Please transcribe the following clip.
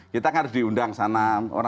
kita kan harus diundang sana